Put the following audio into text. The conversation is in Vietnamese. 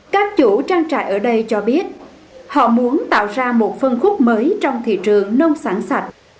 các chủ trang trại ở đây cho biết họ muốn tạo ra một phân khúc mới trong thị trường nông sản sạch